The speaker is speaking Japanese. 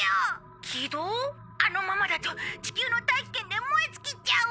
あのままだと地球の大気圏で燃え尽きちゃう！